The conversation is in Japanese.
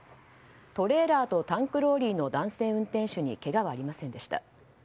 トレーラーとタンクローリーの男性運転手にけがはありませんでした。